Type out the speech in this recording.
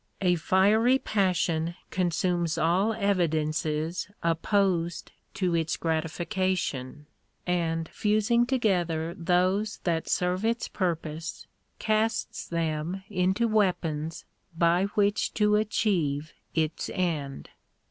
A fiery passion consumes all evi dences opposed to its gratification, and fusing together those that serve its purpose, casts them into weapons by which to achieve its end.